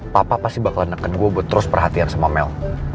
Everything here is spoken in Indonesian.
papa pasti bakal nekan gue buat terus perhatian sama mel